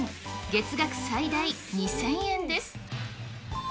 月額最大２０００円です。